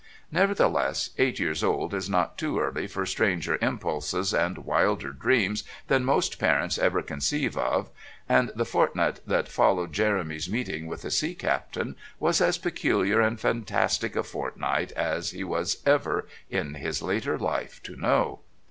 Nevertheless, eight years old is not too early for stranger impulses and wilder dreams than most parents ever conceive of, and the fortnight that followed Jeremy's meeting with the Sea Captain was as peculiar and fantastic a fortnight as he was ever, in all his later life, to know.